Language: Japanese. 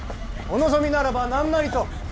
お望みならば何なりと！